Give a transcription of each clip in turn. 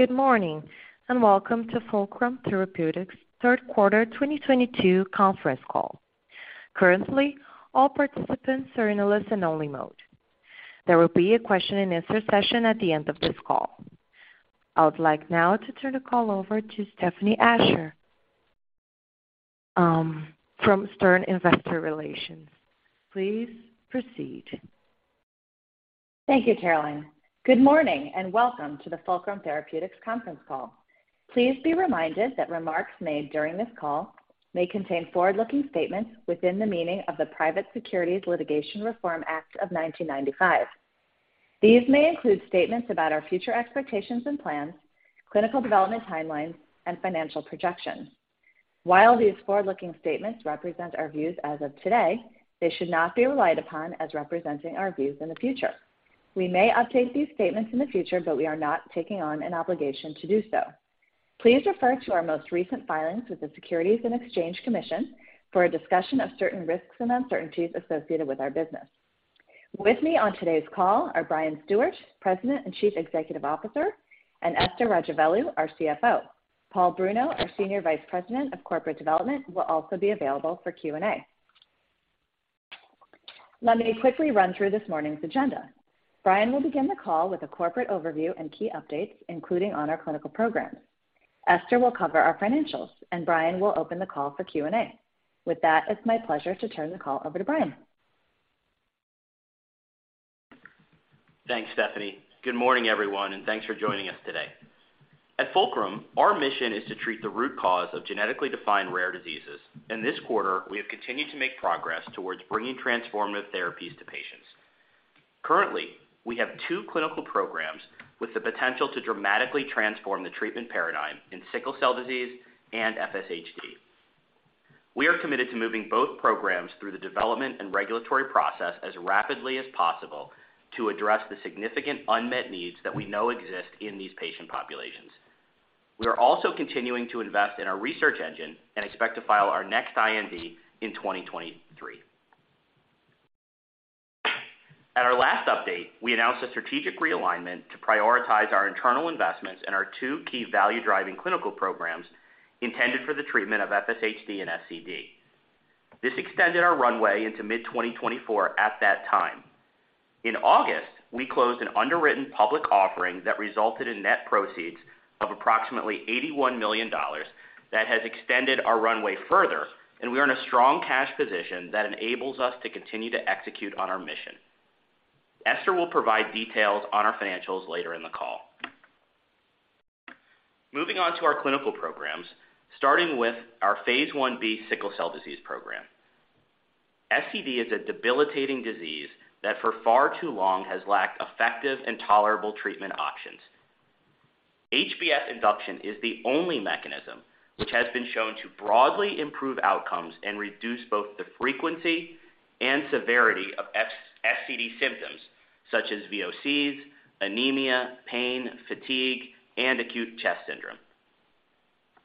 Good morning, and welcome to Fulcrum Therapeutics' third quarter 2022 conference call. Currently, all participants are in a listen-only mode. There will be a question-and-answer session at the end of this call. I would like now to turn the call over to Stephanie Ascher, from Stern Investor Relations. Please proceed. Thank you, Caroline. Good morning, and welcome to the Fulcrum Therapeutics conference call. Please be reminded that remarks made during this call may contain forward-looking statements within the meaning of the Private Securities Litigation Reform Act of 1995. These may include statements about our future expectations and plans, clinical development timelines, and financial projections. While these forward-looking statements represent our views as of today, they should not be relied upon as representing our views in the future. We may update these statements in the future, but we are not taking on an obligation to do so. Please refer to our most recent filings with the Securities and Exchange Commission for a discussion of certain risks and uncertainties associated with our business. With me on today's call are Bryan Stuart, President and Chief Executive Officer, and Esther Rajavelu, our CFO. Paul Bruno, our Senior Vice President of Corporate Development, will also be available for Q&A. Let me quickly run through this morning's agenda. Bryan will begin the call with a corporate overview and key updates, including on our clinical programs. Esther will cover our financials, and Bryan will open the call for Q&A. With that, it's my pleasure to turn the call over to Bryan. Thanks, Stephanie. Good morning, everyone, and thanks for joining us today. At Fulcrum, our mission is to treat the root cause of genetically defined rare diseases. In this quarter, we have continued to make progress towards bringing transformative therapies to patients. Currently, we have two clinical programs with the potential to dramatically transform the treatment paradigm in sickle cell disease and FSHD. We are committed to moving both programs through the development and regulatory process as rapidly as possible to address the significant unmet needs that we know exist in these patient populations. We are also continuing to invest in our research engine and expect to file our next IND in 2023. At our last update, we announced a strategic realignment to prioritize our internal investments in our two key value-driving clinical programs intended for the treatment of FSHD and SCD. This extended our runway into mid-2024 at that time. In August, we closed an underwritten public offering that resulted in net proceeds of approximately $81 million that has extended our runway further, and we are in a strong cash position that enables us to continue to execute on our mission. Esther will provide details on our financials later in the call. Moving on to our clinical programs, starting with our phase 1b sickle cell disease program. SCD is a debilitating disease that for far too long has lacked effective and tolerable treatment options. HBF induction is the only mechanism which has been shown to broadly improve outcomes and reduce both the frequency and severity of SCD symptoms such as VOCs, anemia, pain, fatigue, and acute chest syndrome.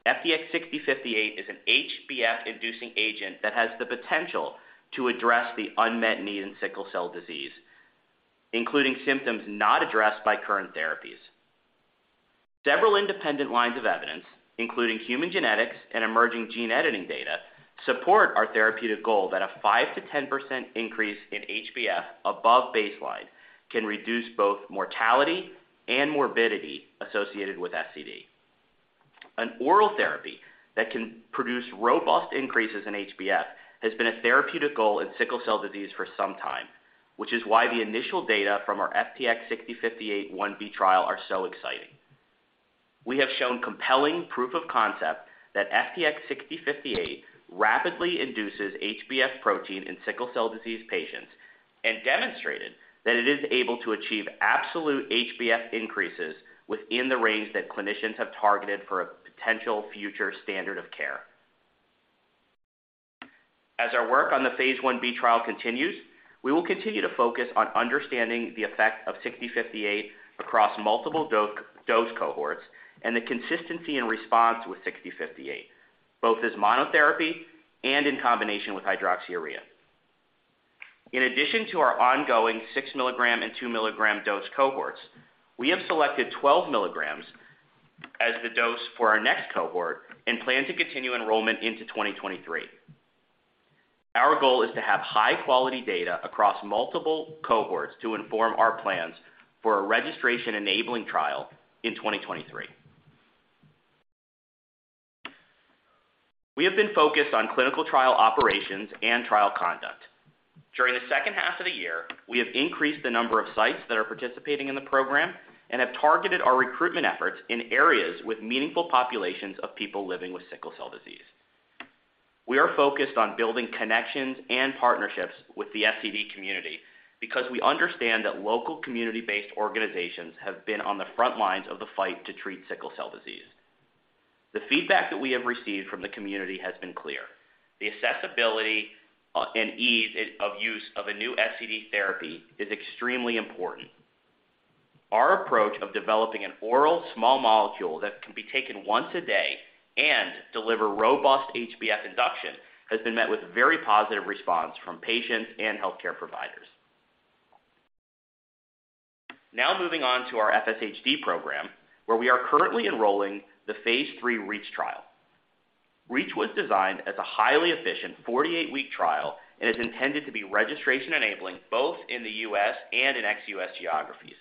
FTX6058 is an HBF-inducing agent that has the potential to address the unmet need in sickle cell disease, including symptoms not addressed by current therapies. Several independent lines of evidence, including human genetics and emerging gene editing data, support our therapeutic goal that a 5%-10% increase in HBF above baseline can reduce both mortality and morbidity associated with SCD. An oral therapy that can produce robust increases in HBF has been a therapeutic goal in sickle cell disease for some time, which is why the initial data from our FTX6058 1B trial are so exciting. We have shown compelling proof of concept that FTX6058 rapidly induces HBF protein in sickle cell disease patients and demonstrated that it is able to achieve absolute HBF increases within the range that clinicians have targeted for a potential future standard of care. As our work on the phase 1b trial continues, we will continue to focus on understanding the effect of FTX-6058 across multiple dose cohorts and the consistency in response with FTX-6058, both as monotherapy and in combination with hydroxyurea. In addition to our ongoing 6-mg and 2-mg dose cohorts, we have selected 12 mg as the dose for our next cohort and plan to continue enrollment into 2023. Our goal is to have high-quality data across multiple cohorts to inform our plans for a registration-enabling trial in 2023. We have been focused on clinical trial operations and trial conduct. During the second half of the year, we have increased the number of sites that are participating in the program and have targeted our recruitment efforts in areas with meaningful populations of people living with sickle cell disease. We are focused on building connections and partnerships with the SCD community because we understand that local community-based organizations have been on the front lines of the fight to treat sickle cell disease. The feedback that we have received from the community has been clear. The accessibility, and ease of use of a new SCD therapy is extremely important. Our approach of developing an oral small molecule that can be taken once a day and deliver robust HBF induction has been met with very positive response from patients and healthcare providers. Now moving on to our FSHD program, where we are currently enrolling the phase three REACH trial. REACH was designed as a highly efficient 48-week trial and is intended to be registration enabling both in the U.S. and in ex-U.S. geographies.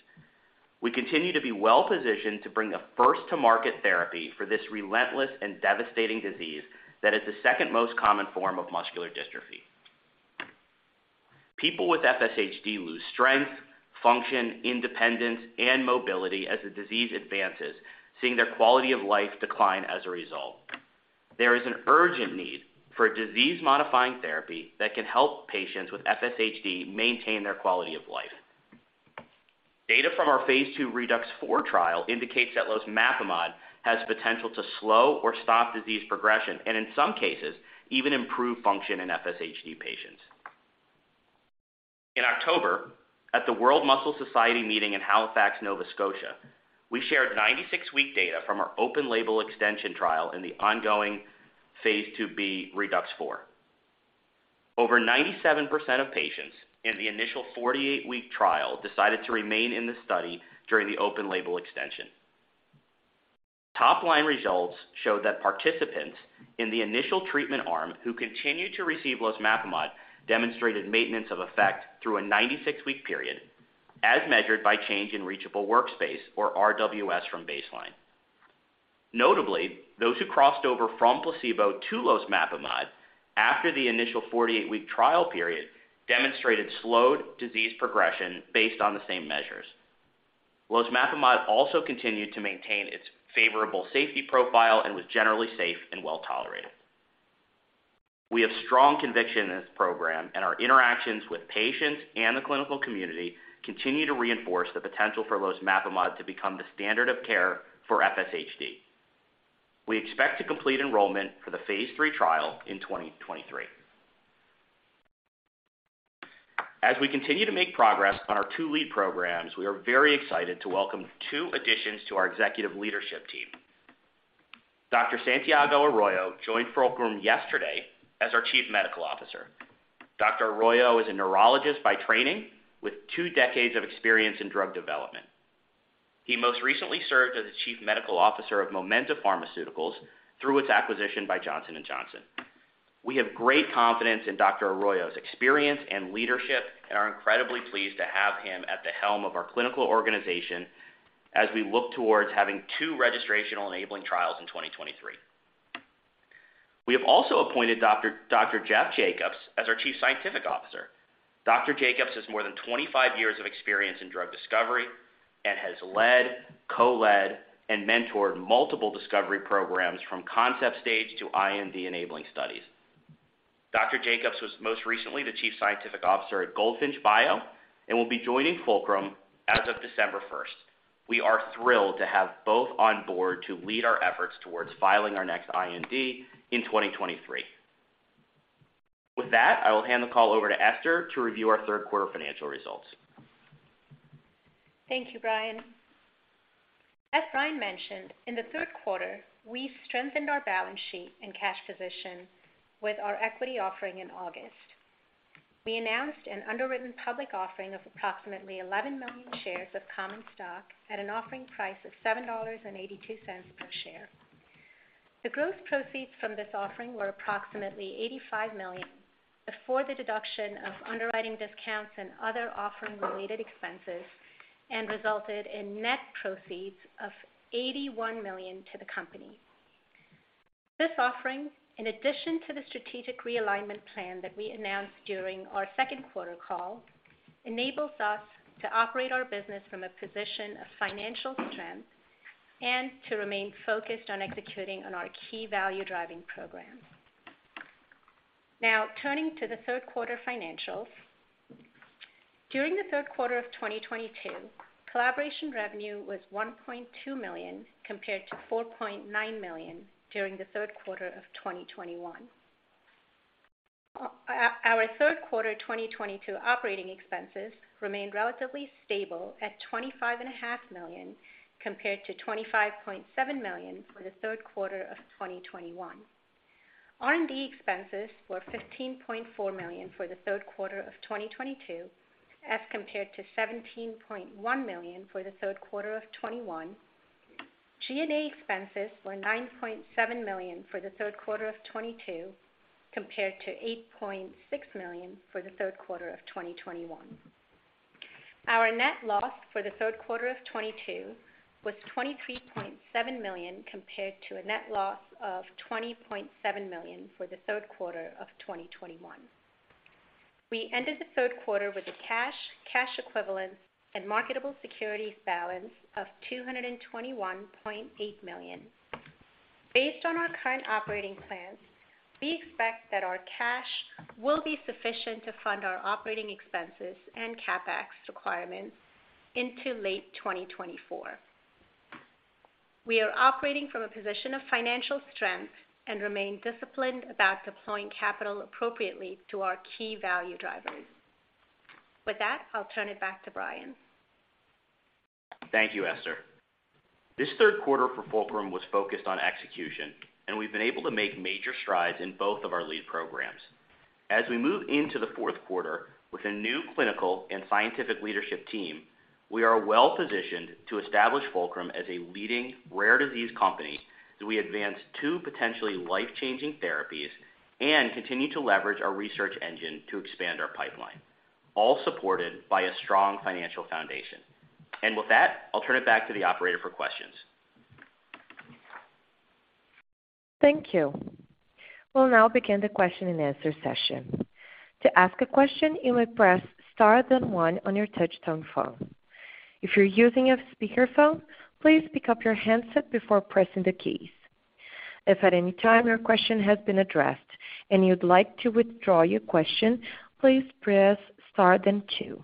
We continue to be well-positioned to bring the first-to-market therapy for this relentless and devastating disease that is the second most common form of muscular dystrophy. People with FSHD lose strength, function, independence, and mobility as the disease advances, seeing their quality of life decline as a result. There is an urgent need for a disease-modifying therapy that can help patients with FSHD maintain their quality of life. Data from our phase 2 ReDUX4 trial indicates that losmapimod has potential to slow or stop disease progression, and in some cases, even improve function in FSHD patients. In October, at the World Muscle Society meeting in Halifax, Nova Scotia, we shared 96-week data from our open-label extension trial in the ongoing phase 2b ReDUX4. Over 97% of patients in the initial 48-week trial decided to remain in the study during the open label extension. Top line results showed that participants in the initial treatment arm who continued to receive losmapimod demonstrated maintenance of effect through a 96-week period, as measured by change in reachable workspace or RWS from baseline. Notably, those who crossed over from placebo to losmapimod after the initial 48-week trial period demonstrated slowed disease progression based on the same measures. Losmapimod also continued to maintain its favorable safety profile and was generally safe and well-tolerated. We have strong conviction in this program, and our interactions with patients and the clinical community continue to reinforce the potential for losmapimod to become the standard of care for FSHD. We expect to complete enrollment for the phase 3 trial in 2023. As we continue to make progress on our two lead programs, we are very excited to welcome two additions to our executive leadership team. Dr. Santiago Arroyo joined Fulcrum yesterday as our Chief Medical Officer. Dr. Arroyo is a neurologist by training with two decades of experience in drug development. He most recently served as the Chief Medical Officer of Momenta Pharmaceuticals through its acquisition by Johnson & Johnson. We have great confidence in Dr. Arroyo's experience and leadership, and are incredibly pleased to have him at the helm of our clinical organization as we look towards having two registrational enabling trials in 2023. We have also appointed Dr. Jeff Jacobs as our Chief Scientific Officer. Dr. Jacobs has more than 25 years of experience in drug discovery and has led, co-led, and mentored multiple discovery programs from concept stage to IND enabling studies. Dr. Jacobs was most recently the Chief Scientific Officer at Goldfinch Bio, and will be joining Fulcrum as of December first. We are thrilled to have both on board to lead our efforts towards filing our next IND in 2023. With that, I will hand the call over to Esther to review our third quarter financial results. Thank you, Bryan. As Bryan mentioned, in the third quarter, we strengthened our balance sheet and cash position with our equity offering in August. We announced an underwritten public offering of approximately 11 million shares of common stock at an offering price of $7.82 per share. The gross proceeds from this offering were approximately $85 million before the deduction of underwriting discounts and other offering-related expenses, and resulted in net proceeds of $81 million to the company. This offering, in addition to the strategic realignment plan that we announced during our second quarter call, enables us to operate our business from a position of financial strength and to remain focused on executing on our key value-driving programs. Now turning to the third quarter financials. During the third quarter of 2022, collaboration revenue was $1.2 million, compared to $4.9 million during the third quarter of 2021. Our third quarter 2022 operating expenses remained relatively stable at $25 and a half million, compared to $25.7 million for the third quarter of 2021. R&D expenses were $15.4 million for the third quarter of 2022, as compared to $17.1 million for the third quarter of 2021. G&A expenses were $9.7 million for the third quarter of 2022, compared to $8.6 million for the third quarter of 2021. Our net loss for the third quarter of 2022 was $23.7 million, compared to a net loss of $20.7 million for the third quarter of 2021. We ended the third quarter with a cash equivalents and marketable securities balance of $221.8 million. Based on our current operating plans, we expect that our cash will be sufficient to fund our operating expenses and CapEx requirements into late 2024. We are operating from a position of financial strength and remain disciplined about deploying capital appropriately to our key value drivers. With that, I'll turn it back to Bryan. Thank you, Esther. This third quarter for Fulcrum was focused on execution, and we've been able to make major strides in both of our lead programs. As we move into the fourth quarter with a new clinical and scientific leadership team, we are well-positioned to establish Fulcrum as a leading rare disease company as we advance two potentially life-changing therapies and continue to leverage our research engine to expand our pipeline, all supported by a strong financial foundation. With that, I'll turn it back to the operator for questions. Thank you. We'll now begin the question-and-answer session. To ask a question, you may press star then one on your touchtone phone. If you're using a speakerphone, please pick up your handset before pressing the keys. If at any time your question has been addressed and you'd like to withdraw your question, please press star then two.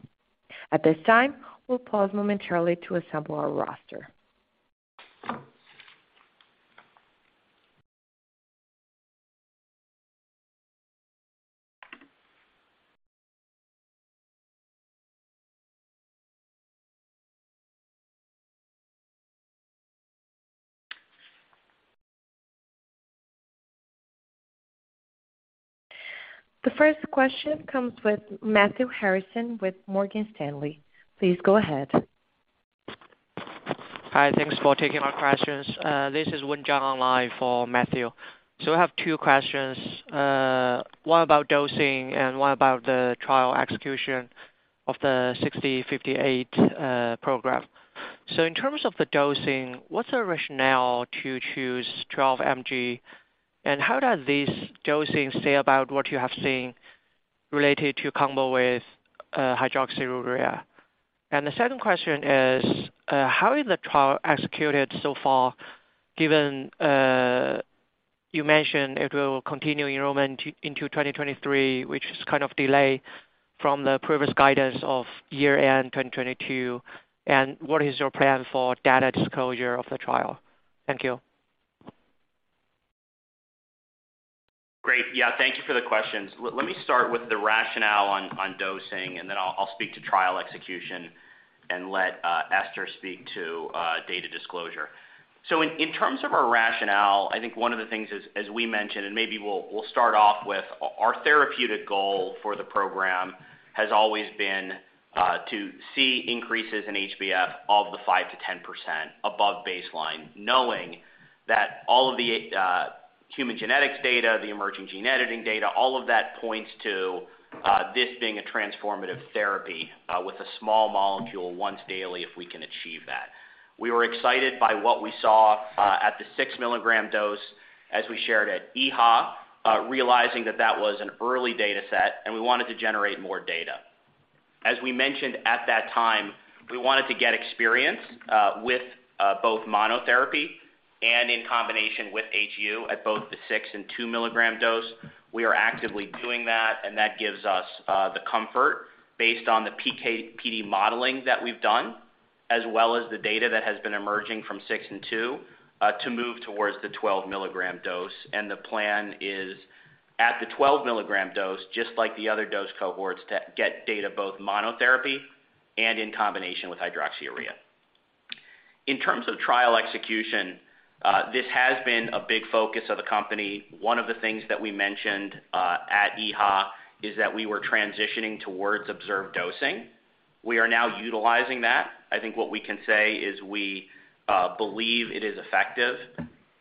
At this time, we'll pause momentarily to assemble our roster. The first question comes from Matthew Harrison with Morgan Stanley. Please go ahead. Hi. Thanks for taking our questions. This is Wen Zhang live for Matthew. I have two questions. One about dosing and one about the trial execution of the FTX-6058 program. In terms of the dosing, what's the rationale to choose 12 mg? And how does this dosing say about what you have seen related to combo with hydroxyurea? And the second question is, how is the trial executed so far given you mentioned it will continue enrollment into 2023, which is kind of delay from the previous guidance of year-end 2022? And what is your plan for data disclosure of the trial? Thank you. Great. Yeah, thank you for the questions. Let me start with the rationale on dosing, and then I'll speak to trial execution and let Esther speak to data disclosure. In terms of our rationale, I think one of the things is, as we mentioned, and maybe we'll start off with our therapeutic goal for the program has always been to see increases in HBF of 5%-10% above baseline, knowing that all of the human genetics data, the emerging gene editing data, all of that points to this being a transformative therapy with a small molecule once daily if we can achieve that. We were excited by what we saw at the 6-milligram dose as we shared at EHA, realizing that that was an early dataset, and we wanted to generate more data. As we mentioned at that time, we wanted to get experience with both monotherapy and in combination with HU at both the 6- and 2-milligram dose. We are actively doing that, and that gives us the comfort based on the PK/PD modeling that we've done, as well as the data that has been emerging from 6 and 2 to move towards the 12-milligram dose. The plan is at the 12-milligram dose, just like the other dose cohorts, to get data both monotherapy and in combination with hydroxyurea. In terms of trial execution, this has been a big focus of the company. One of the things that we mentioned at EHA is that we were transitioning towards observed dosing. We are now utilizing that. I think what we can say is we believe it is effective.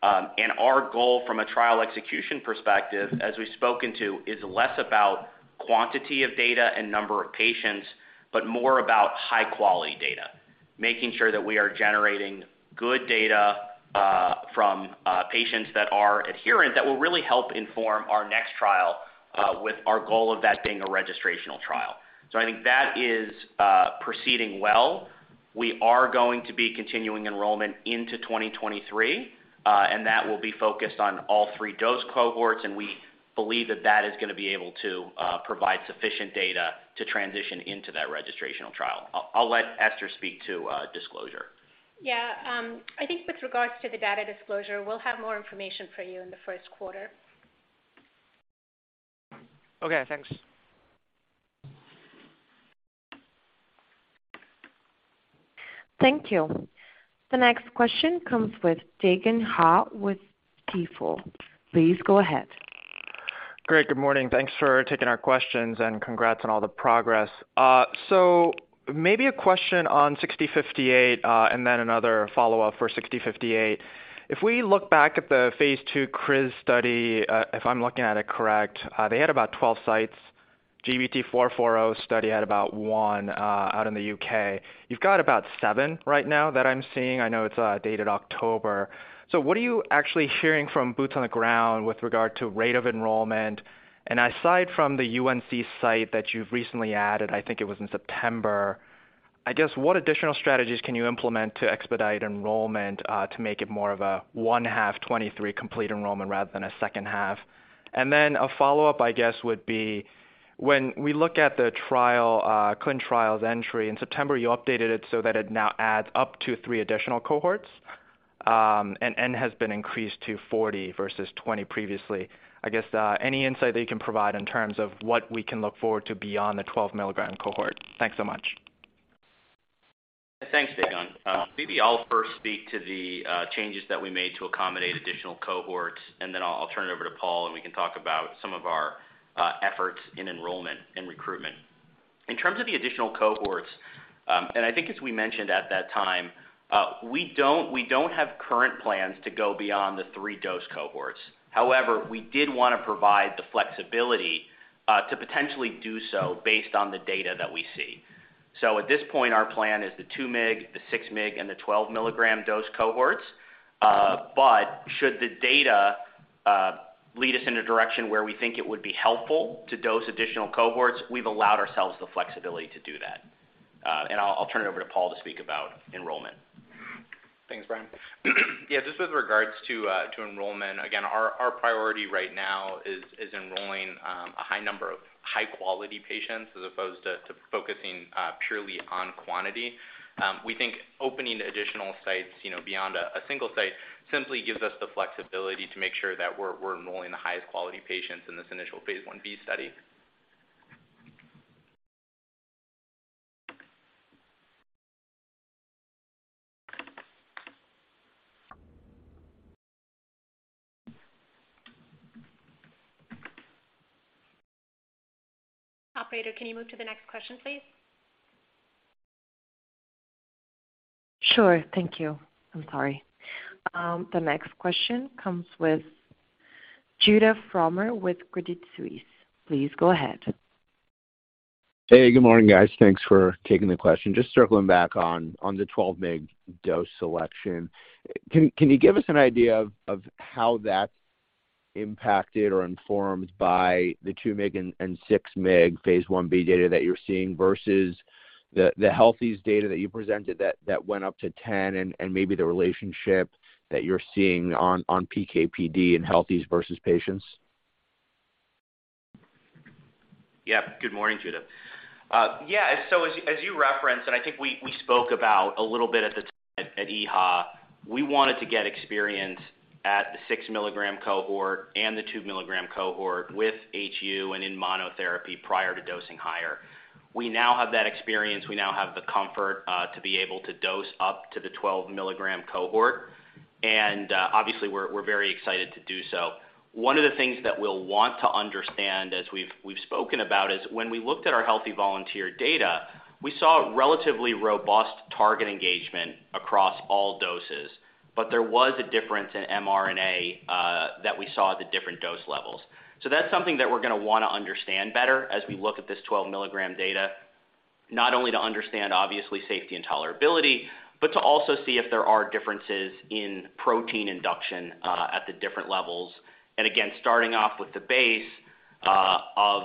Our goal from a trial execution perspective, as we've spoken to, is less about quantity of data and number of patients, but more about high-quality data, making sure that we are generating good data from patients that are adherent that will really help inform our next trial, with our goal of that being a registrational trial. I think that is proceeding well. We are going to be continuing enrollment into 2023, and that will be focused on all three dose cohorts, and we believe that that is gonna be able to provide sufficient data to transition into that registrational trial. I'll let Esther speak to disclosure. Yeah. I think with regards to the data disclosure, we'll have more information for you in the first quarter. Okay. Thanks. Thank you. The next question comes from Dae Gon Ha with Stifel. Please go ahead. Great. Good morning. Thanks for taking our questions, and congrats on all the progress. So maybe a question on FTX-6058, and then another follow-up for FTX-6058. If we look back at the phase 2 CRISS study, if I'm looking at it correct, they had about 12 sites. GBT440 study had about 1, out in the UK. You've got about 7 right now that I'm seeing. I know it's dated October. So what are you actually hearing from boots on the ground with regard to rate of enrollment? And aside from the UNC site that you've recently added, I think it was in September, I guess, what additional strategies can you implement to expedite enrollment, to make it more of a 1H 2023 complete enrollment rather than a 2H? A follow-up, I guess, would be when we look at the ClinicalTrials.gov entry in September. You updated it so that it now adds up to three additional cohorts. N has been increased to 40 versus 20 previously. I guess, any insight that you can provide in terms of what we can look forward to beyond the 12-milligram cohort? Thanks so much. Thanks, Dae Gon. Maybe I'll first speak to the changes that we made to accommodate additional cohorts, and then I'll turn it over to Paul, and we can talk about some of our efforts in enrollment and recruitment. In terms of the additional cohorts, and I think as we mentioned at that time, we don't have current plans to go beyond the 3 dose cohorts. However, we did wanna provide the flexibility to potentially do so based on the data that we see. At this point, our plan is the 2 mg, the 6 mg, and the 12-milligram dose cohorts. But should the data lead us in a direction where we think it would be helpful to dose additional cohorts, we've allowed ourselves the flexibility to do that. I'll turn it over to Paul to speak about enrollment. Thanks, Bryan. Yeah, just with regards to enrollment, again, our priority right now is enrolling a high number of high-quality patients as opposed to focusing purely on quantity. We think opening additional sites, you know, beyond a single site simply gives us the flexibility to make sure that we're enrolling the highest quality patients in this initial phase 1b study. Operator, can you move to the next question, please? Sure. Thank you. I'm sorry. The next question comes with Judah Frommer with Credit Suisse. Please go ahead. Hey, good morning, guys. Thanks for taking the question. Just circling back on the 12 mg dose selection. Can you give us an idea of how that's impacted or informed by the 2 mg and six mg phase 1b data that you're seeing versus the healthy data that you presented that went up to 10 and maybe the relationship that you're seeing on PK/PD in healthy versus patients? Yeah. Good morning, Judah. As you referenced, and I think we spoke about a little bit at the time at EHA, we wanted to get experience at the 6-milligram cohort and the 2-milligram cohort with HU and in monotherapy prior to dosing higher. We now have that experience. We now have the comfort to be able to dose up to the 12-milligram cohort. Obviously, we're very excited to do so. One of the things that we'll want to understand, as we've spoken about, is when we looked at our healthy volunteer data, we saw a relatively robust target engagement across all doses. There was a difference in mRNA that we saw at the different dose levels. That's something that we're gonna wanna understand better as we look at this 12-milligram data, not only to understand obviously safety and tolerability, but to also see if there are differences in protein induction at the different levels. Again, starting off with the base of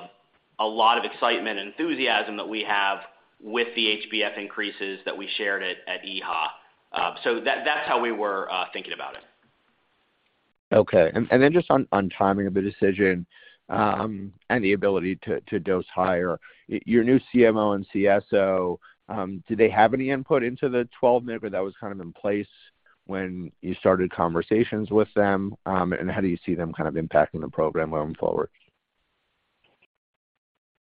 a lot of excitement and enthusiasm that we have with the HBF increases that we shared at EHA. That's how we were thinking about it. Okay. Then just on timing of the decision, and the ability to dose higher. Your new CMO and CSO, do they have any input into the 12 mg, or that was kind of in place when you started conversations with them? How do you see them kind of impacting the program going forward?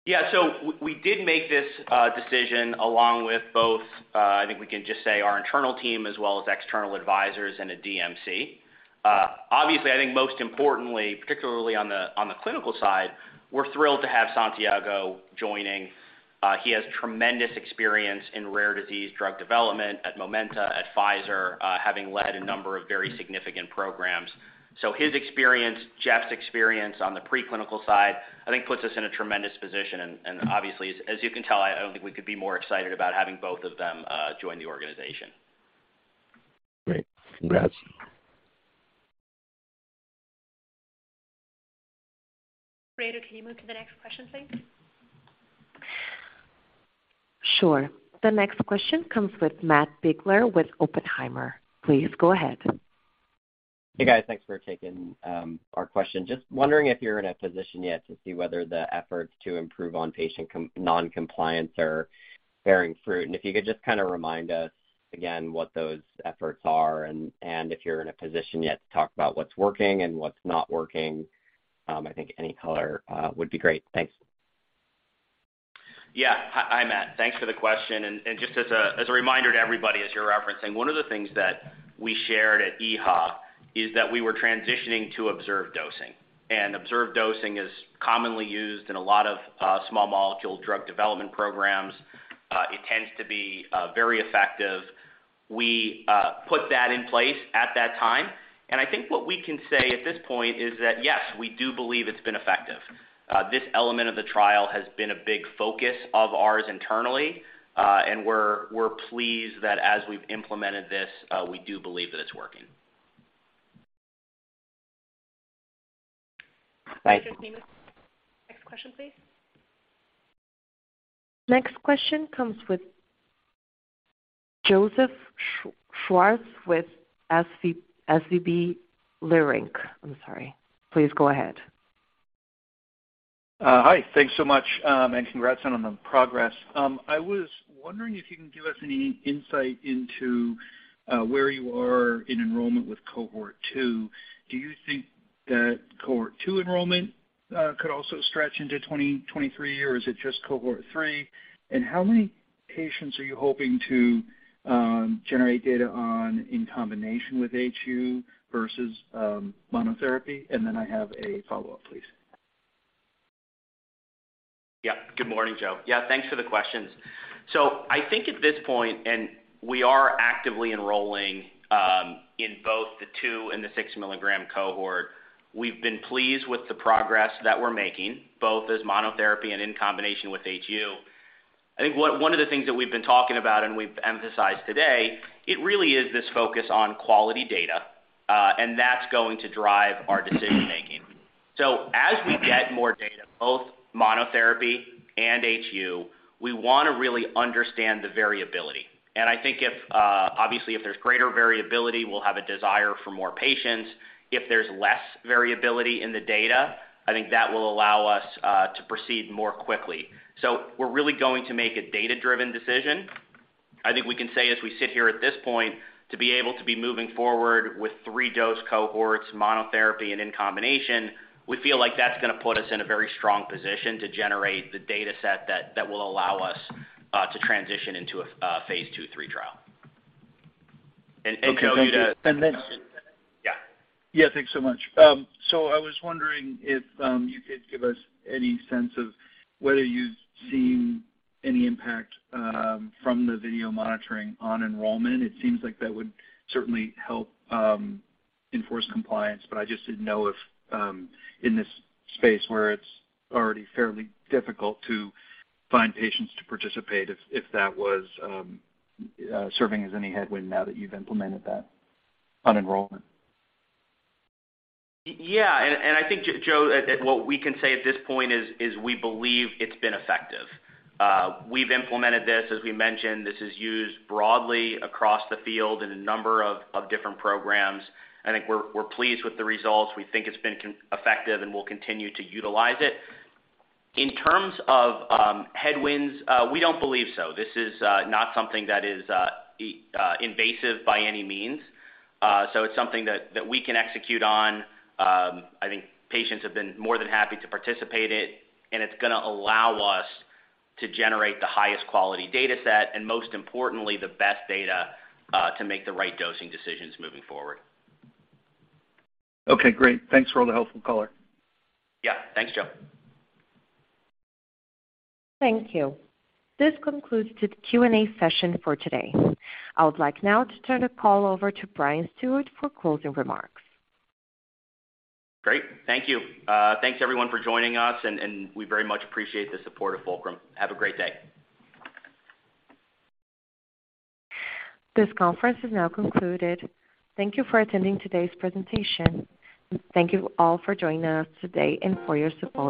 We did make this decision along with both, I think we can just say our internal team as well as external advisors and a DMC. Obviously, I think most importantly, particularly on the clinical side, we're thrilled to have Santiago joining. He has tremendous experience in rare disease drug development at Momenta, at Pfizer, having led a number of very significant programs. His experience, Jeff's experience on the preclinical side, I think, puts us in a tremendous position. Obviously, as you can tell, I don't think we could be more excited about having both of them join the organization. Great. Congrats. Operator, can you move to the next question, please? Sure. The next question comes with Matt Biegler with Oppenheimer. Please go ahead. Hey, guys. Thanks for taking our question. Just wondering if you're in a position yet to see whether the efforts to improve on patient noncompliance are bearing fruit. If you could just kinda remind us again what those efforts are and if you're in a position yet to talk about what's working and what's not working, I think any color would be great. Thanks. Yeah. Hi, Matt. Thanks for the question. Just as a reminder to everybody as you're referencing, one of the things that we shared at EHA is that we were transitioning to observed dosing. Observed dosing is commonly used in a lot of small molecule drug development programs. It tends to be very effective. We put that in place at that time. I think what we can say at this point is that, yes, we do believe it's been effective. This element of the trial has been a big focus of ours internally, and we're pleased that as we've implemented this, we do believe that it's working. Thanks. Operator, next question, please. Next question comes with Joseph Schwartz with SVB Securities. I'm sorry. Please go ahead. Hi. Thanks so much, and congrats on the progress. I was wondering if you can give us any insight into where you are in enrollment with cohort two. Do you think that cohort two enrollment could also stretch into 2023, or is it just cohort three? How many patients are you hoping to generate data on in combination with HU versus monotherapy? I have a follow-up, please. Yeah. Good morning, Joe. Yeah, thanks for the questions. I think at this point, we are actively enrolling in both the 2- and 6-milligram cohort. We've been pleased with the progress that we're making, both as monotherapy and in combination with HU. I think one of the things that we've been talking about and we've emphasized today, it really is this focus on quality data, and that's going to drive our decision-making. As we get more data, both monotherapy and HU, we wanna really understand the variability. I think if obviously, if there's greater variability, we'll have a desire for more patients. If there's less variability in the data, I think that will allow us to proceed more quickly. We're really going to make a data-driven decision. I think we can say as we sit here at this point, to be able to be moving forward with 3 dose cohorts, monotherapy and in combination, we feel like that's gonna put us in a very strong position to generate the dataset that will allow us to transition into a phase 2/3 trial. Okay. Yeah. Yeah, thanks so much. So I was wondering if you could give us any sense of whether you've seen any impact from the video monitoring on enrollment. It seems like that would certainly help enforce compliance, but I just didn't know if in this space where it's already fairly difficult to find patients to participate, if that was serving as any headwind now that you've implemented that on enrollment. I think Joe, at what we can say at this point is we believe it's been effective. We've implemented this. As we mentioned, this is used broadly across the field in a number of different programs. I think we're pleased with the results. We think it's been effective, and we'll continue to utilize it. In terms of headwinds, we don't believe so. This is not something that is invasive by any means. It's something that we can execute on. I think patients have been more than happy to participate in it, and it's gonna allow us to generate the highest quality dataset, and most importantly, the best data to make the right dosing decisions moving forward. Okay, great. Thanks for all the helpful color. Yeah. Thanks, Joe. Thank you. This concludes the Q&A session for today. I would like now to turn the call over to Bryan Stuart for closing remarks. Great. Thank you. Thanks everyone for joining us, and we very much appreciate the support of Fulcrum. Have a great day. This conference is now concluded. Thank you for attending today's presentation. Thank you all for joining us today and for your support.